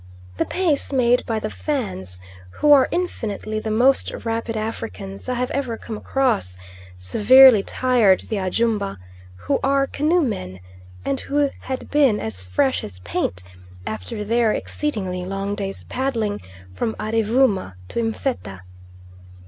The pace made by the Fans, who are infinitely the most rapid Africans I have ever come across, severely tired the Ajumba, who are canoe men, and who had been as fresh as paint, after their exceedingly long day's paddling from Arevooma to M'fetta.